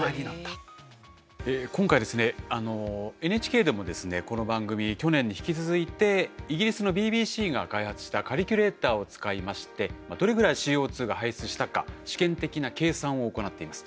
今回ですねＮＨＫでもですねこの番組去年に引き続いてイギリスのＢＢＣが開発したカリキュレーターを使いましてどれぐらいＣＯが排出したか試験的な計算を行っています。